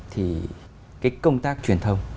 thì cái công tác truyền thông